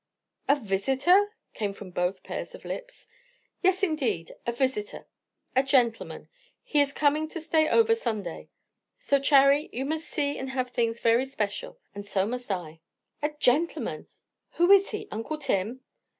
"A visitor!" came from both pairs of lips. "Yes, indeed. A visitor. A gentleman. And he is coming to stay over Sunday. So, Charry, you must see and have things very special. And so must I." "A gentleman! Who is he? Uncle Tim?"